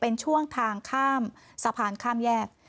เป็นช่วงทางข้ามสะพานข้ามแยก